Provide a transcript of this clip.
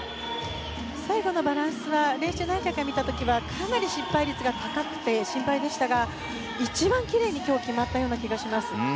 最後のバランスは練習で何回か見た時はかなり失敗率が高くて心配でしたが一番きれいに決まった気がします、今日。